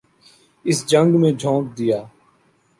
اس جنگ میں جھونک دیا۔